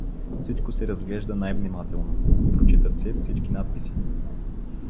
Всичко се разглежда най-внимателно, прочитат се всички надписи.